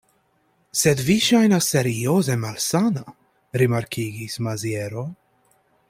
Sed vi ŝajnas serioze malsana, rimarkigis Maziero.